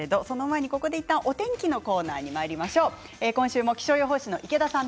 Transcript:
ここでいったんお天気のコーナーにまいりましょう。